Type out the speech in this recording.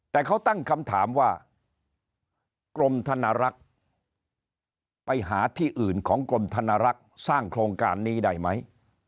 แต่เขาตั้งคำถามว่ากรมธนรักษ์ไปหาที่อื่นของกรมธนรักษ์สร้างโครงการนี้ได้ไหม